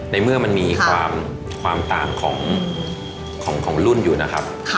ในเมื่อมันมีความต่างของรุ่นอยู่นะครับ